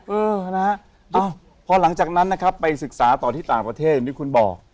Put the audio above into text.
เออนะฮะพอหลังจากนั้นนะครับไปศึกษาต่อที่ต่างประเทศอย่างที่คุณบอก